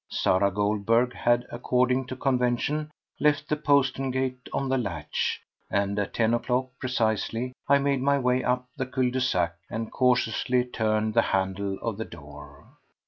Sarah Goldberg had, according to convention, left the postern gate on the latch, and at ten o'clock precisely I made my way up the cul de sac and cautiously turned the handle of the door.